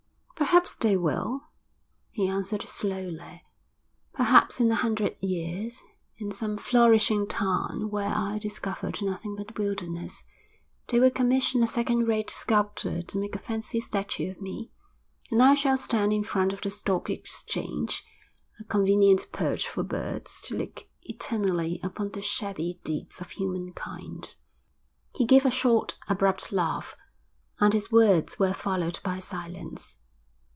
'Perhaps they will,' he answered slowly. 'Perhaps in a hundred years, in some flourishing town where I discovered nothing but wilderness, they will commission a second rate sculptor to make a fancy statue of me. And I shall stand in front of the Stock Exchange, a convenient perch for birds, to look eternally upon the shabby deeds of human kind.' He gave a short, abrupt laugh, and his words were followed by silence.